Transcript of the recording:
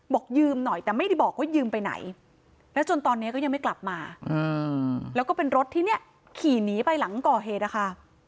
บอกยืมหน่อยแต่ไม่ได้บอกว่ายืมไปไหนแล้วจนตอนนี้ก็ยังไม่กลับมาแล้วก็เป็นรถที่เนี่ยขี่หนีไปหลังก่อเหตุนะคะ